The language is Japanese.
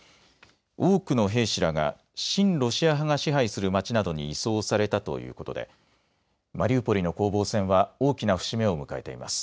多くの兵士らが親ロシア派が支配する町などに移送されたということでマリウポリの攻防戦は大きな節目を迎えています。